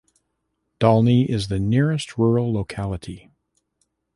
Dalny is the nearest rural locality.